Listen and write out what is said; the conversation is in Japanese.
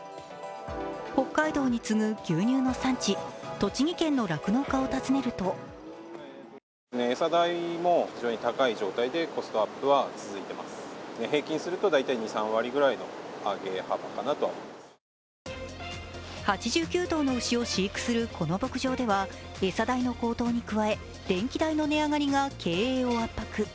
北海道に次ぐ牛乳の産地、栃木県の酪農家を訪ねると８９頭の牛を飼育するこの牧場では餌代の高騰に加え電気代の値上がりが経営を圧迫。